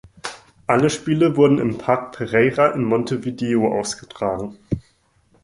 Alle Spiele wurden im Parque Pereira in Montevideo ausgetragen.